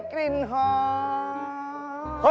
จุปปะจุบ